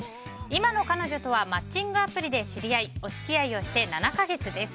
今の彼女とはマッチングアプリで知り合いお付き合いをして７か月です。